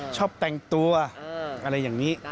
ชอบแต่งตัวอะไรอย่างนี้